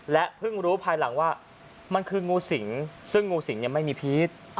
เพิ่งรู้ภายหลังว่ามันคืองูสิงซึ่งงูสิงไม่มีพีช